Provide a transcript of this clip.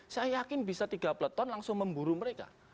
saya yakin bisa tiga peleton langsung memburu mereka